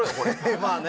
まあね。